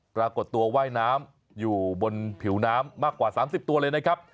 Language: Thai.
ปรากฏตัวว่ายน้ำอยู่บนผิวน้ำมากกว่า๓๐ตัวเลยนะครับ